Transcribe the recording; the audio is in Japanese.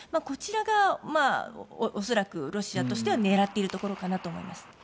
こちらが恐らくロシアとしては狙っているところかなと思います。